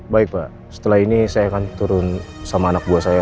baik pak setelah ini saya akan turun sama anak buah saya